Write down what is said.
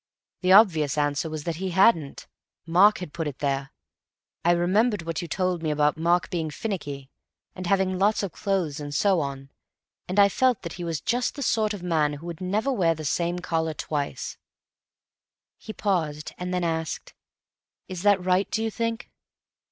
The obvious answer was that he hadn't. Mark had put it there. I remembered what you told me about Mark being finicky, and having lots of clothes and so on, and I felt that he was just the sort of man who would never wear the same collar twice." He paused, and then asked, "Is that right, do you think?"